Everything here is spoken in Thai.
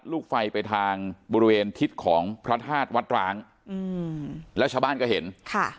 ลูกไฟไปทางบริเวณทิศของพระธาตุวัดร้างอืมแล้วชาวบ้านก็เห็นค่ะ